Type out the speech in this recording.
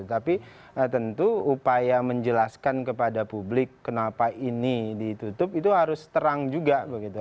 tapi tentu upaya menjelaskan kepada publik kenapa ini ditutup itu harus terang juga begitu